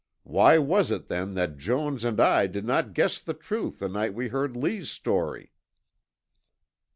Why was it then that Jones and I did not guess the truth the night we heard Lee's story?"